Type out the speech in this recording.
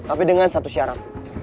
tapi dengan satu syarat